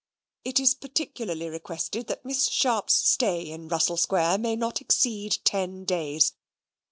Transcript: It is particularly requested that Miss Sharp's stay in Russell Square may not exceed ten days.